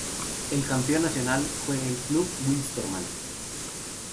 El Campeón Nacional fue el Club Wilstermann.